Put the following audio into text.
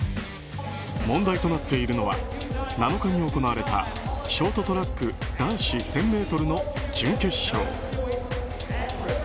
問題となっているのは７日に行われたショートトラック男子１０００ｍの準決勝。